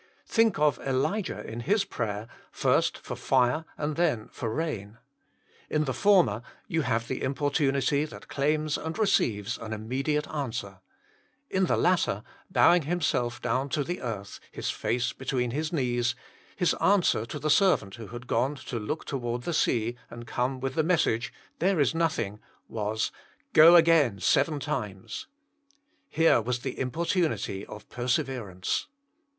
Think of Elijah in his prayer, first for fire, and then for rain. In the former you have the impor tunity that claims and receives an immediate answer. In the latter, bowing himself down to the earth, his face between his knees, his answer to the servant who had gone to look toward the sea, and come with the message, " There is nothing," was "Go again seven times." Here was the importunity of perseverance.